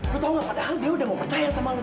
lo tau gak padahal dia udah gak percaya sama lo